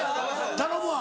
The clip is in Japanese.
頼むわ。